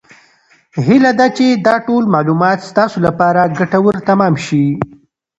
هیله ده چې دا ټول معلومات ستاسو لپاره ګټور تمام شي.